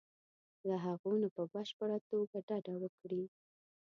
له هغو نه په بشپړه توګه ډډه وکړي.